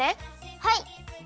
はい！